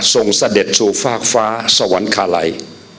ทรงเสด็จสู่ฟากฟ้าสวรรคาไหล